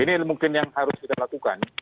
ini mungkin yang harus dilakukan